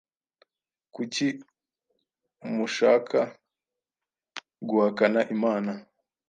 kuki mu shaka guhakana imana